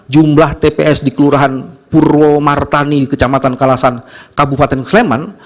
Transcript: jumlah tps di kelurahan purwomartani di kecamatan kalasan kabupaten sleman